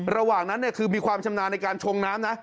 ระหว่างนั้นคือมีความชำนาญในการชงน้ำนะ